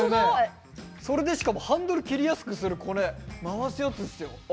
それでしかもハンドル、切りやすくする回すやつですよ。